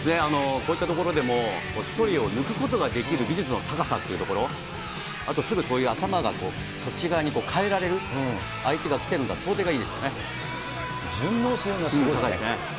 こういったところでも１人を抜くことができる技術の高さっていうところ、あとすぐそういう頭がそっち側に変えられる、相手が来てるのか、順応性が高いですね。